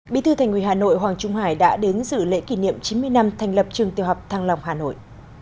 bí thư thành ủy hà nội hoàng trung hải đã đến dự lễ kỷ niệm chín mươi năm thành lập trường tiêu học thăng long hà nội